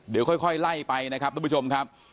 เดี๋ยวค่อยไล่ไปนะครับทุกผู้ชมครับ